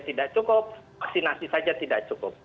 tidak cukup vaksinasi saja tidak cukup